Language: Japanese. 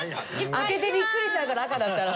開けてビックリしちゃうから赤だったら。